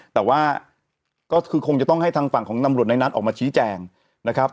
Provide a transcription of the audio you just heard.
แต่ว่าก็คือคงจะต้องให้ทางฝั่งของตำรวจในนั้นออกมาชี้แจงนะครับ